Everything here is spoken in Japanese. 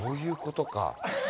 そういうことか。